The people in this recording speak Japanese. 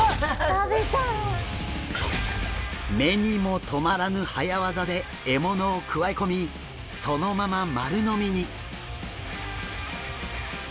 目にもとまらぬ早ワザで獲物をくわえ込みそのまま丸飲みに！